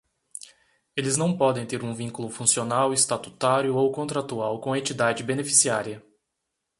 Eles não podem ter um vínculo funcional, estatutário ou contratual com a entidade beneficiária.